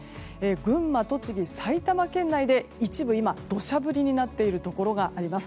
群馬、栃木、埼玉県内で今、一部、土砂降りになっているところがあります。